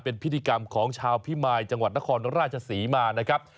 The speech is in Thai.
เป็นพิธีกรรมของชาวพิมายจังหวัดนครราชศรีมานะครับ